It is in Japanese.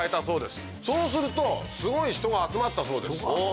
そうするとすごい人が集まったそうです。